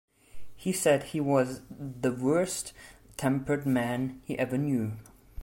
He said He was the worst tempered man He ever knew.